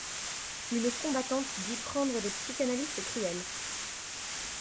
Une combattante dit prendre des psychanalistes cruels.